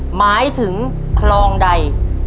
หมายถึงคลองใด